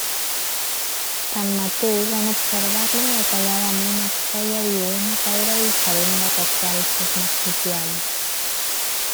Tanmateix, en observar-lo detalladament es feia evident que era diferent d'aquests altres marsupials.